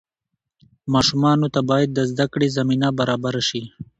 ماشومانو ته باید د زدهکړې زمینه برابره شي.